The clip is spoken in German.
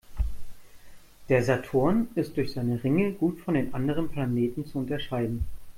Der Saturn ist durch seine Ringe gut von den anderen Planeten zu unterscheiden.